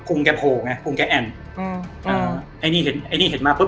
ุงแกโผล่ไงพุงแกแอ่นอืมอ่าไอ้นี่เห็นไอ้นี่เห็นมาปุ